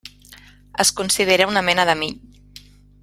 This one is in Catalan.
Es considera una mena de mill.